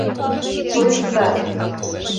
Шойыштат.